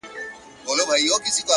قاتل ژوندی دی ـ مړ یې وجدان دی ـ